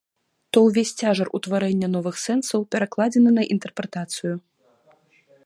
То ўвесь цяжар утварэння новых сэнсаў перакладзены на інтэрпрэтацыю.